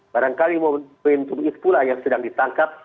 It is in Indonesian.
barangkali mempunyai tubuh ispula yang sedang ditangkap